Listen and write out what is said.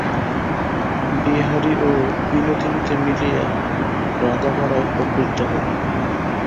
বিহারী ও বিনোদিনীতে মিলিয়া রাঁধাবাড়ায় প্রবৃত্ত হইল।